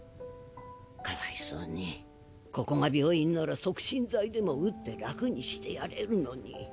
かわいそうにここが病院なら促進剤でも打って楽にしてやれるのに。